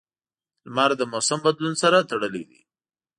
• لمر د موسم بدلون سره تړلی دی.